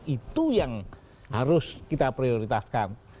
itu yang harus kita prioritaskan